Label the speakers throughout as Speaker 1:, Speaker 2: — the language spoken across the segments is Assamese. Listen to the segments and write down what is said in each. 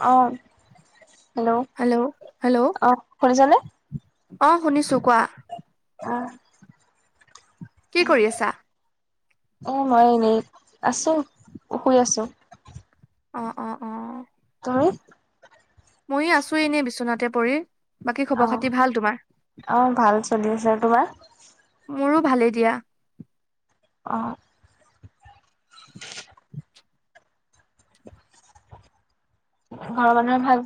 Speaker 1: অ'
Speaker 2: হেল্ল' হেল্ল'
Speaker 1: অ', শুনিছানে?
Speaker 2: অ শুনিছো কোৱা?
Speaker 1: উম'
Speaker 2: কি কৰি আছা
Speaker 1: অ মই এনেই আছো' শুই আছো।
Speaker 2: অ, অ, অ
Speaker 1: তুমি?
Speaker 2: মইয়ো আছো এনে বিচনাতে পৰি। বাকী খবৰ
Speaker 1: অ',
Speaker 2: খাতি ভাল তোমাৰ?
Speaker 1: অ ভাল চলি আছে। তোমাৰ?
Speaker 2: মোৰো ভালেই দিয়া।
Speaker 1: উম' ঘৰৰ মানুহৰ ভাল?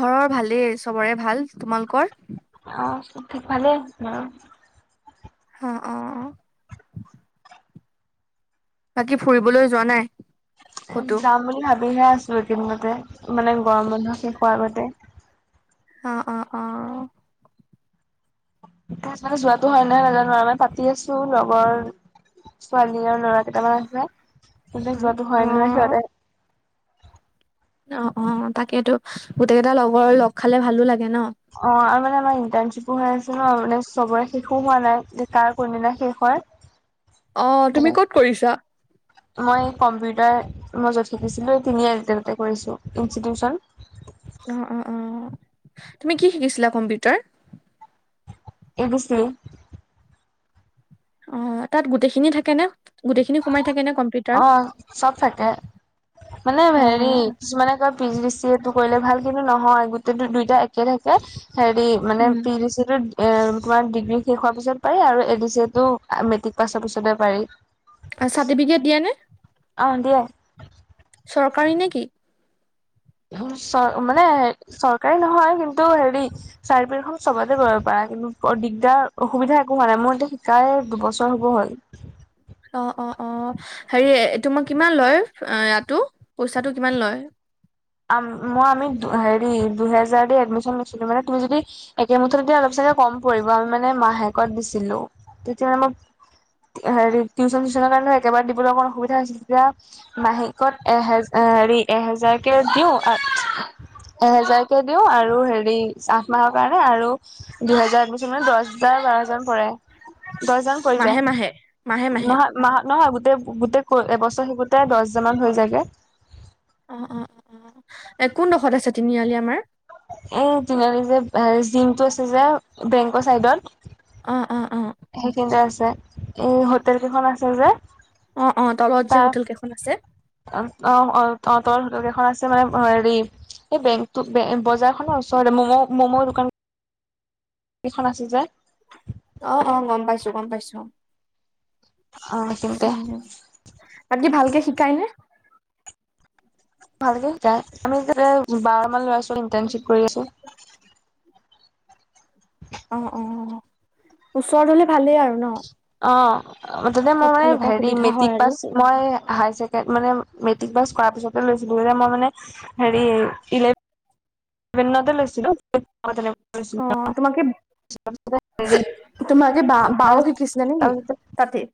Speaker 2: ঘৰৰ ভালেই চবৰে ভাল। তোমালোকৰ?
Speaker 1: অ' [unintelligible] ভালেই অ।
Speaker 2: অ' অ অ বাকী ফুৰিবলৈ যোৱা নাই? ক'তো
Speaker 1: যাম বুলি ভাবিহে আছো এইকিদিনতে। মানে গৰম বন্ধ শেষ হোৱাৰ আগতে।
Speaker 2: অ' অ' অ
Speaker 1: তাপা যোৱাতো হয় নহয় নাজানো আৰু মানে পাতি আছো লগৰ ছোৱালী আৰু ল'ৰা কেইটামান আছে।
Speaker 2: অ
Speaker 1: পিছত যোৱাতটো
Speaker 2: অ
Speaker 1: হয়নে নহয় সিহঁতে
Speaker 2: অ' অ' তাকেইতো। গোটেইকেইটা লগৰ লগ খালে ভালো লাগে ন!
Speaker 1: অঁ', আৰু মানে আমাৰ ইণ্টাৰ্নচিপো হৈ আছে ন' মানে চবৰে শেষো হোৱা নাই যে কাৰ কোনদিনা শেষ হয়। [unintelligible]
Speaker 2: অঁ',
Speaker 1: তাকে
Speaker 2: -তুমি ক'ত কৰিছা?
Speaker 1: মই কম্পিউটাৰ মই য'ত শিকিছিলোঁ এই তিনিয়ালিটে তা'তে কৰিছোঁ ইনষ্টিটিউচন।
Speaker 2: অঁহ', -অঁহ', -অঁহ', তুমি কি শিকিছিলা কম্পিউটাৰ?
Speaker 1: A B C.
Speaker 2: অঁ', তা'ত গোটেইখিনি থাকে নে? গোটেইখিনি সোমাই থাকে নে কম্পিউটাৰ
Speaker 1: অঁ', চব থাকে। মানে
Speaker 2: অ
Speaker 1: হেৰি কিছুমানে কয়- P G D C A টো কৰিলে ভাল, কিন্তু নহয় গোটেইটো দুইটা একে থাকে হেৰি- মানে
Speaker 2: উম
Speaker 1: P G D C A টো- এ তোমাৰ ডিগ্ৰী শেষ হোৱাৰ পিছত পাৰি আৰু এ ডি চি এ টো মেট্ৰিক পাছৰ পিছতে পাৰি।
Speaker 2: চাৰ্টিফিকেট দিয়ে নে?
Speaker 1: অঁ', -দিয়ে।
Speaker 2: চৰকাৰী নে কি?
Speaker 1: চ' মানে চৰকাৰী নহয় কিন্তু হেৰি- চাৰ্টিফিকেটখন চবতে কৰিব পাৰা কিন্তু বৰ দিগদাৰ অসুবিধা একো হোৱা নাই মোৰ এতিয়া শিকাই- দুবছৰ হ'ব হ'ল।
Speaker 2: অঁ', -অঁ', -অঁ', হেৰি এইটো তোমাৰ কিমান লয় ইয়াতো পইচাটো কিমান লয়?
Speaker 1: আম-মই আমি হেৰি দুহেজাৰ দি এডমিশ্যন লৈছিলো মানে। তুমি যদি একে মুঠতে দিলে অলপ চাগে কম পৰিব, আমি মানে মাহেকত দিছিলো তেতিয়া মানে মই- হেৰি টিউশ্যন চিউচনৰ কাৰণে একেবাৰে দিবলৈ অকণ অসুবিধা হৈছিল তেতিয়া। মাহেকত এহেজাৰ হেৰি এহেজাৰকে দিওঁ। এহেজাৰকে দিওঁ আৰু হেৰি আঠ মাহৰ কাৰণে আৰু- দুহেজাৰ এডমিচনত দহ বা বাৰহাজাৰমান পৰে। দহ হাজাৰ- পৰি যায়
Speaker 2: মাহে-মাহে।
Speaker 1: নহয়, মাহ, নহয়, গোটেই-গোটেই ক-এবছৰ শিকোতে দহ হজাৰ মান হৈ যায়গে।
Speaker 2: অহ', -অহ', -অহ', এ কোনডোখৰত আছে তিনিআলি আমাৰ?
Speaker 1: এই তিনআালি যে জিমটো আছে যে বেংকৰ চাইদত।
Speaker 2: অঁহ', -অঁহ', -অঁহ', -।
Speaker 1: সেইখিনতে আছে এই হোটেল কেইখন আছে যে।
Speaker 2: অঁহ', -অঁহ', তলত যে হোটেল কেইখন আছে।
Speaker 1: অঁহ', -অঁহ', -অঁ', -তলত হোটেল কেইখন আছে মানে হেৰি- এই বেংক টো বজাৰ খনৰ ওচৰতে ম'ম-ম'ম দোকান- কেইখন আছে যে।
Speaker 2: অঁ', -অঁ', গম পাইছো, গম পাইছো অঁ',।
Speaker 1: অ সেইখিনিতে
Speaker 2: উম, বাকী ভালকে শিকাই নে?
Speaker 1: ভালকে শিকাই। আমি তাতে বাৰ মান ল'ৰা-ছোৱালীয়ে ইন্টাৰ্নশ্বিপ কৰি আছো।
Speaker 2: অঁহ', -অঁহ', ওচৰত হ'লে ভালেই আৰু ন'।
Speaker 1: অঁ', তা'তে মোৰ
Speaker 2: চব
Speaker 1: মানে
Speaker 2: ফালৰ পৰা
Speaker 1: হেৰি
Speaker 2: সুবিধা হয়
Speaker 1: মেট্ৰিক
Speaker 2: আৰু
Speaker 1: পাছ- মই হায়ছেকেন্ড মানে মেট্ৰিক পাছ কৰাৰ পিছতে লৈছিলো যে মই মানে- হেৰি ইলেক- ভেনতে লৈছিলো অ' তেনেকুৱাতে লৈছিলো।
Speaker 2: তোমাৰ কি বা বাও-বাও শিকিছিলে নেকি তা'তে?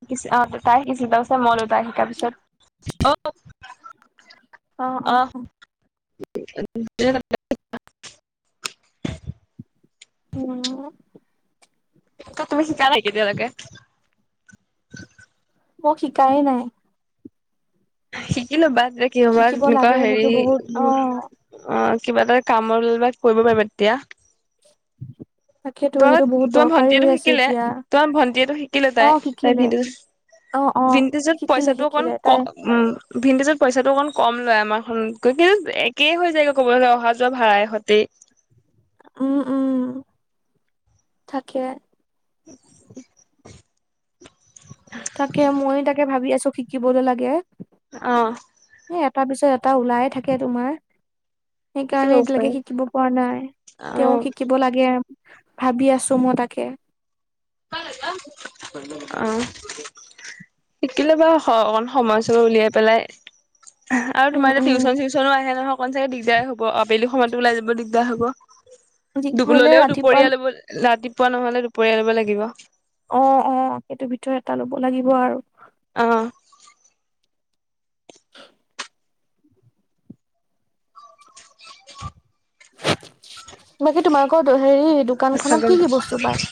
Speaker 1: শিকিছে, অঁ', তাই শিকিছিল তাৰ পিছত মই ল'লো তাই শিকাৰ পিছত। অহ।
Speaker 2: অঁ অঁ অঁ'
Speaker 1: [unintelligible]
Speaker 2: উ অঁ'
Speaker 1: ত' তুমি শিকা নাই এতিয়ালৈকে।
Speaker 2: মোক শিকাই নাই।
Speaker 1: শিকিলো বাদ যে কি হবা
Speaker 2: শিকিব
Speaker 1: এনেকুৱা
Speaker 2: লাগে
Speaker 1: হেৰি
Speaker 2: সেইটো বহুত অ
Speaker 1: বোৰ- অঁ, কিবা এটা কামলৈ বা কৰিব পাৰিবা তেতিয়া।
Speaker 2: তাকেতো
Speaker 1: তয়
Speaker 2: সেইটো বহুত
Speaker 1: তোমাৰ
Speaker 2: দৰকাৰী হৈ
Speaker 1: ভণ্টিয়েটো
Speaker 2: আছে
Speaker 1: শিকিলে
Speaker 2: এতিয়া
Speaker 1: তোমাৰ ভন্টিয়েটো শিকিলে
Speaker 2: অ
Speaker 1: তাই, তাই
Speaker 2: শিকিলে অ অ
Speaker 1: ভিনটেজত- ভিন্টেজত
Speaker 2: শিকিলে
Speaker 1: পইচাটো অকমান
Speaker 2: শিকিলে তাই
Speaker 1: ক- উম' ভিন্টেজত পইচা টো অকন কম লয় আমাৰখনত কৈ, কিন্তু একে হৈ যায়গৈ ক'ব গলে অহা- যোৱা ভাড়াই সতি।
Speaker 2: উম উম' থাকে।
Speaker 1: [unintelligible]
Speaker 2: তাকে মই তাকে ভাবি আছো শিকিবলৈ লাগে।
Speaker 1: অঁ'
Speaker 2: এই এটা পিছত এটা ওলাই থাকে তোমাৰ।
Speaker 1: শিকি
Speaker 2: সেইকাৰণে
Speaker 1: ল'ব
Speaker 2: এতিয়ালৈকে
Speaker 1: পাৰি
Speaker 2: শিকিব পৰা নাই,
Speaker 1: অ
Speaker 2: তেওঁ শিকিব লাগ- গে ভাবি আছো মই তাকে।
Speaker 1: অঁ' শিকি লবা অকন সময় ছমই উলিয়াই পেলাই। আৰু
Speaker 2: উম
Speaker 1: তোমাৰ এতিয়া
Speaker 2: উম
Speaker 1: টিউচন চিউচনো আহে নহয়- অকনচাই দিগদাৰে হ'ব, আবেলি সময়তো ওলাই যাব দিগদাৰ হব।
Speaker 2: যি
Speaker 1: দুপ
Speaker 2: হলে
Speaker 1: ললেও
Speaker 2: ৰাতিপুৱা
Speaker 1: দুপৰীয়া ল'ব- ৰাতিপুৱা নহ'লে দুপৰীয়া লব লাগিব।
Speaker 2: অঁ অঁ সেইটো ভিতৰত এটা ল'ব লাগিব আৰু।
Speaker 1: অঁ' [inaudible]
Speaker 2: বাকী, তোমালোকৰ দ হেৰি দোকানখত
Speaker 1: সঁচাকৈ।
Speaker 2: কি কি বস্তু পায়?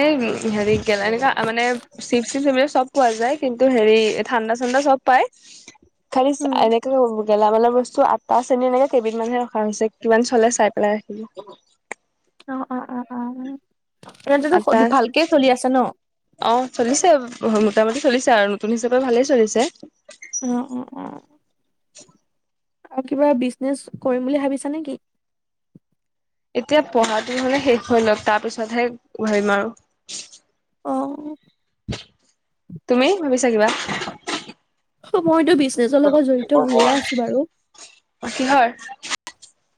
Speaker 1: এই হেৰি গেলা গেলা আ মানে- চিৱ চিফ সেইবিলাক চব পোৱা যায়, কিন্তু হেৰি ঠাণ্ডা চাণ্ডা চব পায়। খালিছ
Speaker 2: উম
Speaker 1: এনেকেও গেলামাল বস্তু আঠ- কাৰ চেনি লাগে কেইবিধ মানহে ৰখা হৈছে কিমান চলে চাই পেলাই ৰাখিব।
Speaker 2: অঁ অঁ অঁ অঁ' উম' তেন্তেটো ভালকেই চলি আছে ন।
Speaker 1: অঁ' চলিছে মোটামুটি চলিছে আৰু নতুন হিচাপে ভালেই চলিছে।
Speaker 2: অঁ' অঁ অঁ'
Speaker 1: [inaudible]
Speaker 2: আৰু কিবা বিজনেচ কৰিম বুলি ভাবিছা নেকি?
Speaker 1: এতিয়া পঢ়াটো হলে শেষ হৈ লওক, তাৰ পিছতহে কৰিম আৰু।
Speaker 2: অঁ ও'
Speaker 1: তুমি ভাবিছা কিবা?
Speaker 2: অ' মইতো বিজনেচৰ লগত জড়িত হৈয়ে আছো বাৰু।
Speaker 1: কিহৰ?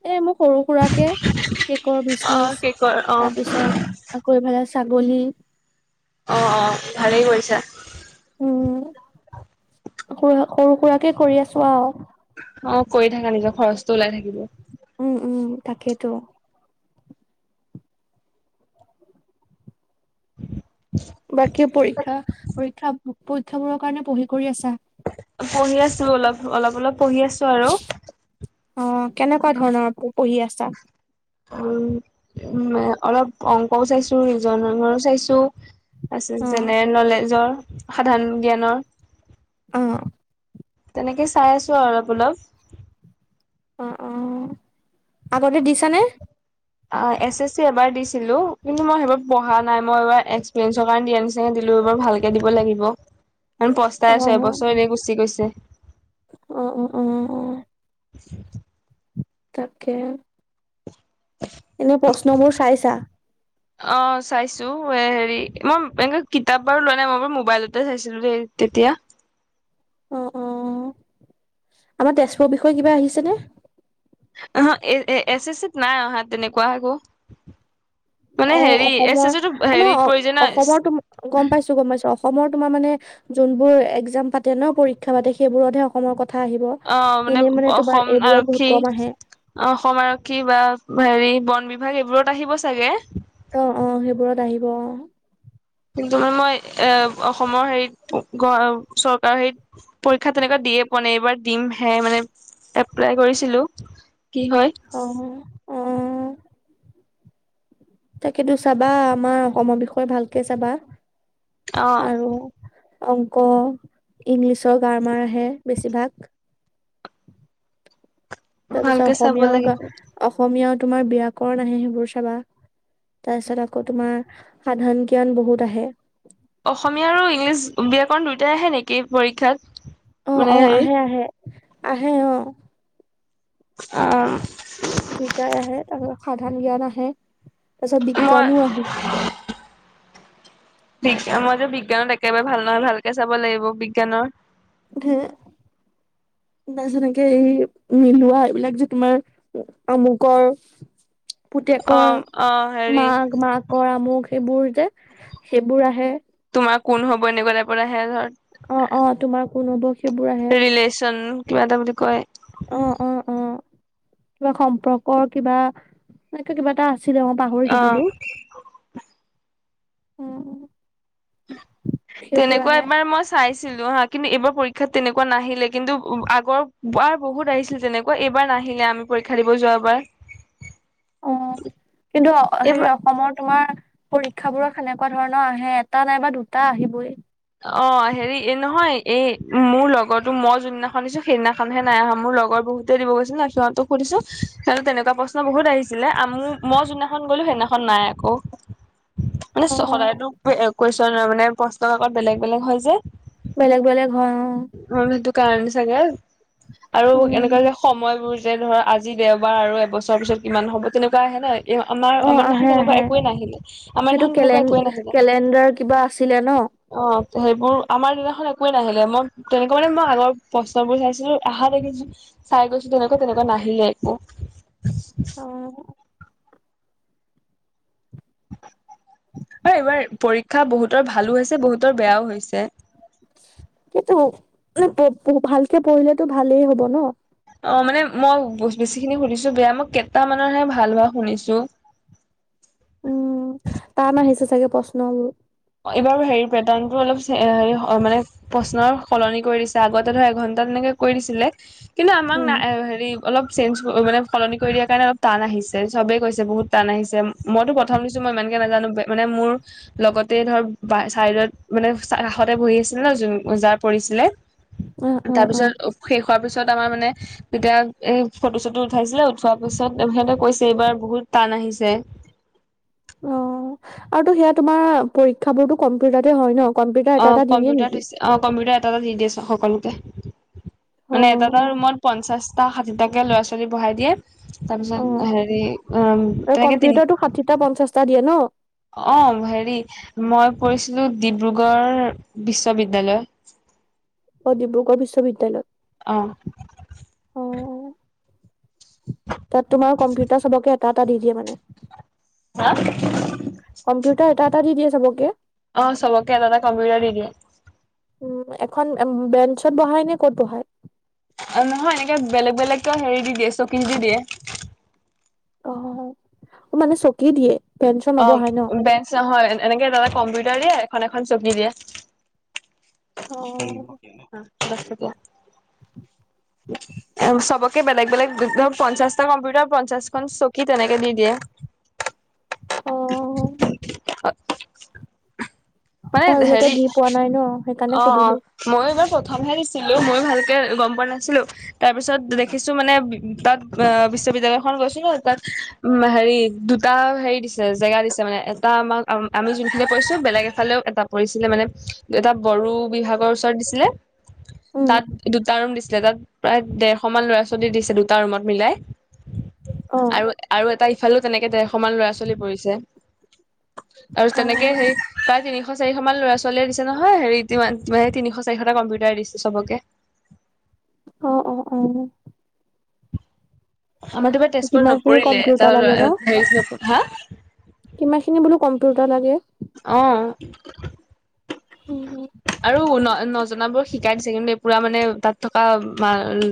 Speaker 2: এ মোক সৰু সুৰাকে কেকৰ
Speaker 1: অ
Speaker 2: বিজনেচ,
Speaker 1: কেকৰ অ অ
Speaker 2: তাৰপিছত, - আকৌ ইফালে ছাগলী-
Speaker 1: অঁ অঁ ভালেই কৰিছা।
Speaker 2: উম' সৰু সুৰাকে কৰি আছো আও।
Speaker 1: অ, কৰি থাকা, নিজৰ খৰচটো ওলাই থাকিব।
Speaker 2: উম, উম, তাকেইতো। বাকী পৰীক্ষা, পৰীক্ষা, পৰীক্ষাবোৰৰ কাৰণে পঢ়ি কৰি আছা?
Speaker 1: পঢ়ি আছ, অলপ অলপ অলপ পঢ়ি আছো আৰু।
Speaker 2: অ, কেনেকুৱা ধৰণৰ পঢ়ি আছা?
Speaker 1: উ, অলপ অংকও চাইছো, ৰেজইনিংৰ চাইছো। আছে,
Speaker 2: অ',
Speaker 1: জেনেৰেল নলেজৰ, সাধাৰণ জ্ঞানৰ।
Speaker 2: উম,
Speaker 1: তেনেকে চাই আছো আৰু অলপ অলপ।
Speaker 2: অ, অ, আগতে দিছানে?
Speaker 1: অ, এছ, এছ, চি, এবাৰ দিছিলো, কিন্তু মই সেইবাৰ পঢ়া নাই মই এইবাৰ এক্সপিৰিয়েঞ্চৰ কাৰণ দি আছিলো। দিলো এইবাৰ ভালকে দিব লাগিব, মই পস্তাই
Speaker 2: অ',
Speaker 1: আছো এবছৰ এনে গুচি গৈছে।
Speaker 2: অ, অ, অ, অ,
Speaker 1: [inaudible]
Speaker 2: তাকে। এনে, প্ৰশ্নবোৰ চাইছা।
Speaker 1: [inaudible] অ, চাইছো হেৰি মই এনে কিতাপ বাৰু লোৱা নাই, মই বাৰু মোবাইলতে চাইছিলো দেই তেতিয়া।
Speaker 2: অ, অ, আমাৰ তেজপুৰৰ বিষয়ে কিবা আহিছেনে?
Speaker 1: অহ, এ, এছ, এছ, চিত, নাই অহা তেনেকুৱা একো। মানে
Speaker 2: অ,
Speaker 1: হেৰি এছ
Speaker 2: অসমৰ
Speaker 1: এছ চিটো
Speaker 2: ন,
Speaker 1: হেৰিত পৰি যায় ন
Speaker 2: অসমৰ তো গম পাইছো, গম পাইছো, অসমৰ তোমাৰ মানে, যোনবোৰ একজাম পাতে ন, পৰীক্ষা পাতে সেইবোৰতহে অসমৰ কথা আহিব,
Speaker 1: অ
Speaker 2: এনেই মানে তোমাৰ
Speaker 1: অসম
Speaker 2: এইবোৰত
Speaker 1: আৰক্ষী
Speaker 2: বহুত কম আহে।
Speaker 1: অসম আৰক্ষী বা হেৰি, বন বিভাগ এইবোৰত আহিব চাগে।
Speaker 2: অ, অ, সেইবোৰত আহিব। অ,
Speaker 1: কিন্তু মানে মই এ, অসমৰ হেৰিত চৰকাৰৰ হেৰিত পৰীক্ষা তেনেকুৱা দিয়ে পোৱা নাই, এইবাৰ দিম হে মানে এপ্লাই কৰিছিলো কি হয়।
Speaker 2: অ অ তাকেতো চাবা আমাৰ অসমৰ বিষয়ে ভালকে চাবা।
Speaker 1: অ
Speaker 2: আৰু অংক, ইংলিছৰ গ্ৰামাৰ আহে বেছিভাগ। তাৰ পিছত
Speaker 1: ভালকে চাব
Speaker 2: অসমীয়াও,
Speaker 1: লাগিব
Speaker 2: গা-অসমীয়াও তোমাৰ ব্যাকৰণ আহে সেইবোৰ চাবা। তাৰ পিছত আকৌ তোমাৰ, সাধাৰণ জ্ঞান বহুত আহে।
Speaker 1: অসমীয়া আৰু ইংলিছ ব্যাকৰণ দুয়োটাই আহে নেকি পৰীক্ষাত?
Speaker 2: অ,
Speaker 1: মানে
Speaker 2: অ,
Speaker 1: হেৰি
Speaker 2: আহে আহে আহে অ,
Speaker 1: আহ,
Speaker 2: দুইটাই আহে, তাৰপিছত সাধাৰণ জ্ঞান আহে, তাৰপিছত
Speaker 1: মই
Speaker 2: বিজ্ঞানো আহে।
Speaker 1: বি, মইতো বিজ্ঞানত একেবাৰে ভাল নহয়, ভালকে চাব লাগিব বিজ্ঞানৰ।
Speaker 2: হে, তাৰপিছত একে এই মিলোৱা, এইবিলাক যে তোমাৰ অমুকৰ, পুতেকৰ
Speaker 1: অ' অ' হেৰি
Speaker 2: মাক, মাকৰ আমুক, সেইবোৰ যে সেইবোৰ আহে।
Speaker 1: তোমাৰ কোন হ'ব, এনেকুৱা টাইপৰ আহে ধৰ।
Speaker 2: অ, অ, তোমাৰ কোন হ'ব? সেইবোৰ আহে।
Speaker 1: ৰিলেচন কিবা এটা বুলি কয়।
Speaker 2: অ, অ, অ, কিবা সম্পৰ্কৰ কিবা, এনেকে কিবা, এটা আছিলে। অ, পাহৰি
Speaker 1: অ'
Speaker 2: থাকিলো। উম! সেইবোৰ
Speaker 1: তেনেকুৱা
Speaker 2: আহে
Speaker 1: এইবাৰ মই চাইছিলো হা, কিন্তু এইবাৰ পৰীক্ষাত তেনেকুৱা নাহিলে কিন্তু আগৰ বাৰ বহুত আহিছিল তেনে আকৌ এইবাৰ নাহিলে আমি পৰীক্ষা দিব যোৱাবাৰ।
Speaker 2: অ' কিন্তু
Speaker 1: এইবাৰ
Speaker 2: হেৰি অসমৰ তোমাৰ পৰীক্ষাবোৰত সেনেকুৱা ধৰণৰ আহে, এটা নাইবা দুটা আহিবই।
Speaker 1: অ' হেৰি এই নহয় এই মোৰ লগৰতো মই যোনদিনাখন দিছো, সেইদিনাখনহে নাই অহা। মোৰ লগৰ বহু তে দিব গৈছিল ন, সিহঁতক সুধিছো সিহঁতৰ তেনেকুৱা প্ৰশ্ন বহুত আহিছিলে আ মই যোনদিনাখন গ'লো সেইদিনা খন নাই আকৌ।
Speaker 2: অ
Speaker 1: মানে সদায়তো কুৱেচনৰ মানে প্ৰশ্ন কাকত বেলেগ বেলেগ হয় যে।
Speaker 2: বেলেগ বেলেগ হয় অ'।
Speaker 1: মই বোলো সেইটো কাৰণে চাগে। আৰু
Speaker 2: উম
Speaker 1: এনেকুৱা যে সময়বোৰ যে ধৰ আজি দেওবাৰ আৰু এবছৰৰ পিছত কিমান হ'ব তেনেকুৱা আহে নাই। এ আমাৰ
Speaker 2: অ
Speaker 1: আমাৰ
Speaker 2: আহে
Speaker 1: দিনাখন তেনেকুৱা
Speaker 2: আহে
Speaker 1: একোৱেই নাহিলে, আমাৰ দিনাখন তেনেকুৱা একোৱে নাহিলে।
Speaker 2: এনডৰ কিবা আছিলে ন?
Speaker 1: অ' সেইবোৰ আমাৰ দিনাখন একোৱে নাহিলে, মই তেনেকুৱা মানে মই আগৰ প্ৰশ্নবোৰ চাইছিলো আহা দেখিছো। চাই গৈছিলো, তেনেকুৱা তেনেকুৱা নাহিলে একো।
Speaker 2: অ'।
Speaker 1: অ' এইবাৰ পৰীক্ষা বহুতৰ ভালো হৈছে বহুতৰ বেয়াও হৈছে।
Speaker 2: কিন্তু ভালকে পঢ়িলেতো ভালেই হব ন।
Speaker 1: অ' মানে মই বেছি খিনি সুধিছো বেয়া মই কেইটামানৰহে ভাল হোৱা শুনিছো।
Speaker 2: উম, তান আহিছে চাগে প্ৰশ্নবোৰ।
Speaker 1: অ' এইবাৰ হেৰি পেটাৰ্ণটো অলপ হেৰি হয় মানে। প্ৰশ্নৰ সলনি কৰি দিছে আগতে ধৰ এঘন্টা তেনেকে কৰি দিছিলে কিন্তু আমাক
Speaker 2: উম
Speaker 1: না হেৰি অলপ চেঞ্জ মানে সলনি কৰি দিয়াৰ কাৰণে অলপ টান আহিছে চবেই কৈছে বহুত টান আহিছে। মইতো প্ৰথম দিছো, মই ইমানকে নাজানো মানে মোৰ লগত [unintelligible] ধৰ চাইডত মানে কাষতে বহি আছিলে জাৰ পৰিছিলে।
Speaker 2: অ অ অ
Speaker 1: তাৰপিছত শেষ হোৱাৰ পিছত আমাৰ মানে তেতিয়া এই ফটো-চটো উঠাইছিলে উঠোৱা পিছত সিহঁতে কৈছে এইবাৰ বহুত টান আহিছে।
Speaker 2: অহ আৰু তো সেয়া তোমাৰ পৰীক্ষাবোৰতো কম্পিউটাৰতে হয় ন। কম্পিউটাৰ
Speaker 1: অ
Speaker 2: এটা এটা দিয়ে
Speaker 1: কম্পিউটাৰ
Speaker 2: নেকি?
Speaker 1: অ' কম্পিউটাৰ এটা এটা দি দিয়ে সকলোকে,
Speaker 2: অ
Speaker 1: মানে এটা এটা ৰুমত পঞ্চাশ তাক ষাঠিটাকে ল'ৰা-ছোৱালী বহাই দিয়ে, তাৰ পিছত
Speaker 2: অ অ
Speaker 1: হেৰি উম তেনেকে তিনি
Speaker 2: ষাঠিটা-পঞ্চাশ। টা দিয়ে ন।
Speaker 1: অ' হেৰি মই পৰিছিলো ডিব্ৰুগড় বিশ্ববিদ্যালয়।
Speaker 2: অ' ডিব্ৰুগড় বিশ্ববিদ্যালয়।
Speaker 1: অহ।
Speaker 2: তাত তোমাৰ কম্পিউটাৰ চবকে এটা এটা দি দিয়ে মানে।
Speaker 1: হা?
Speaker 2: কম্পিউটাৰ এটা এটা দি দিয়ে চবকে।
Speaker 1: অহ চবকে এটা এটা কম্পিউটাৰ দি দিয়ে।
Speaker 2: উম, এখন বেঞ্চত বহাই নে ক'ত বহাই?
Speaker 1: নহয়, এনেক বেলেগ বেলেগেকে হেৰি দি দিয়ে চকী দি দিয়ে।
Speaker 2: অহ মানে চকী দিয়ে। বেঞ্চত
Speaker 1: অহ
Speaker 2: নবহাই ন
Speaker 1: বেঞ্চ নহয় এনেকে এটা এটা কম্পিউটাৰ দিয়ে এখন এখন চকী দিয়ে।
Speaker 2: অ
Speaker 1: দহ টকীয়া। [inaudible] চবকে বেলেগ বেলেগ ধৰ পঞ্চাশটা কম্পিউটাৰ পঞ্চাশখন চকী তেনেকে দি দিয়ে। [inaudible]
Speaker 2: উম।
Speaker 1: [unintelligible] মানে
Speaker 2: মই আজিলৈকে
Speaker 1: হেৰি
Speaker 2: দি পোৱা নাই ন সেইকাৰণে
Speaker 1: অহ, অহ,
Speaker 2: সুধিলো
Speaker 1: মই এইবাৰ প্ৰথমহে দিছিলো মই ভালকে গম পোৱা নাছিলোঁ। তাৰ পিছত দেখিছোঁ মানে তাত আহ বিশ্ববিদ্যালয়খন গৈছো ন তাত। উম হেৰি দুটা হেৰি দিছে জেগা দিছে মানে এটা আমাক আমি যোনখিনি বৈছো বেলেগ এফালেও এটা। পৰিছিলে মানে এটা বড়ো বিভাগৰ ওচৰত দিছিলে
Speaker 2: উম
Speaker 1: তাত দুটা ৰুম দিছিল। তাত প্ৰায় দেৰশ মান ল'ৰা ছোৱালী দিছে দুটা ৰুমত মিলাই
Speaker 2: অ
Speaker 1: আৰু আৰু এটা ইফালেও তেনেকে ডেৰশ মান ল'ৰা ছোৱালী পৰিছে আৰু
Speaker 2: অ
Speaker 1: তেনেকে সেই প্ৰায় তিনিশ চাৰিশ মান ল'ৰা ছোৱালীয়ে দিছে নহয় হেৰি তিনিশ চাৰিশটা কম্পিউটাৰ দিছে চবকে।
Speaker 2: অহ, অহ, অহ,
Speaker 1: আমাৰ তোমাৰ তেজপুৰত
Speaker 2: কিমান খিনি
Speaker 1: নপৰিলে এটা
Speaker 2: কম্পিউটাৰ লাগে
Speaker 1: ল'ৰা হেৰি হা
Speaker 2: কিমানখিনি বোলো কম্পিউটাৰ লাগে।
Speaker 1: অহ,
Speaker 2: উম, উম।
Speaker 1: আৰু ন নজনাবোৰ শিকাই দিছে কিন্তু এই পুৰা মানে তাত থকা